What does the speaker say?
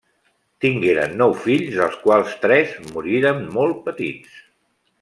Tingueren nou fills dels quals tres moriren molt petits.